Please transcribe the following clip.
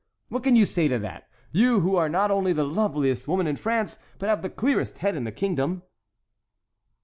What can you say to that—you who are not only the loveliest woman in France, but have the clearest head in the kingdom?"